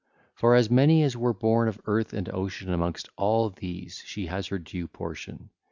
For as many as were born of Earth and Ocean amongst all these she has her due portion.